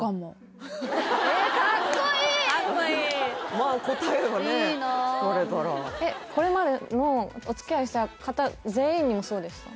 まあ答えはねいいなあこれまでのおつきあいした方全員にもそうでした？